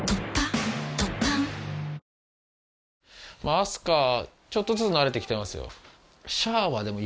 明日香ちょっとずつなれて来てますよ。